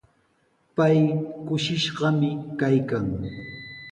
Pay kushishqami kaykan.